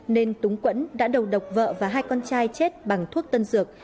nên túng quẫn đã đầu độc vợ và hai con trai chết bằng thuốc tân dược